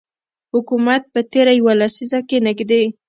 حکومت په تیره یوه لسیزه کې نږدې